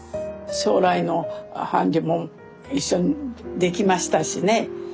将来の伴侶も一緒にできましたしね。